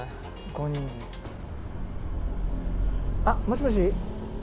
「あっもしもし？」